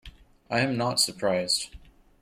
I am not surprised.